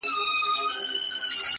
زه خو دا يم ژوندی يم.